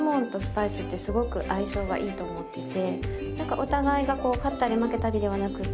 お互いがこう勝ったり負けたりではなくて。